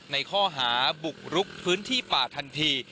ในข้อหาบุกรุกพื้นที่ป่าทันที